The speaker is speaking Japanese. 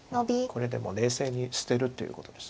これでも冷静に捨てるということです。